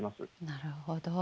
なるほど。